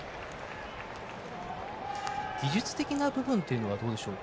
技術的な部分は、どうでしょうか。